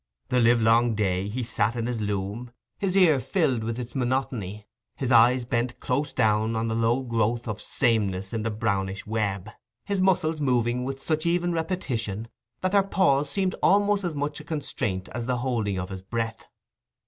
The livelong day he sat in his loom, his ear filled with its monotony, his eyes bent close down on the slow growth of sameness in the brownish web, his muscles moving with such even repetition that their pause seemed almost as much a constraint as the holding of his breath.